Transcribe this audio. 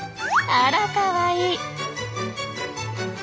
あらかわいい！